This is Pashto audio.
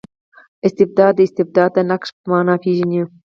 استبداد د استبداد د نقش په مانا پېژني.